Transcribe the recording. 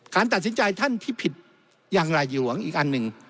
ตัดสินใจท่านที่ผิดอย่างไรหลวงอีกอันหนึ่ง